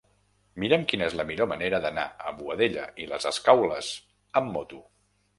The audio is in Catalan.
Mira'm quina és la millor manera d'anar a Boadella i les Escaules amb moto.